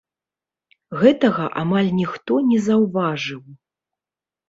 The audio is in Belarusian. Гэтага амаль ніхто не заўважыў.